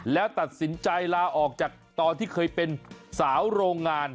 แล้วตัดสินใจลาออกจากตอนที่เคยเป็นสาวโรงงาน